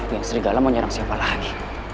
yang serigala mau nyerang siapa lagi